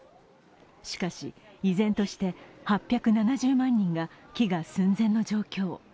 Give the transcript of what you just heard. しかし、依然として８７０万人が飢餓寸前の状況。